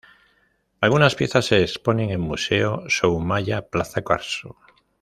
Algunas piezas se exponen en Museo Soumaya Plaza Carso.